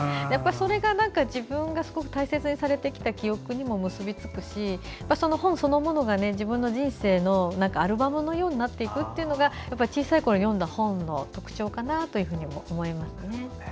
それが自分がすごく大切にされてきた記憶にも結びつくしその本そのものが自分の人生のアルバムのようになっていくというのが小さいころ読んだ本の特徴かなと思います。